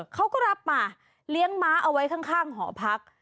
เขาก็รับมาเลี้ยงม้าเอาไว้ข้างหอพัก